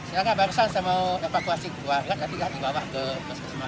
ini pertahanan disini pak gara gara apa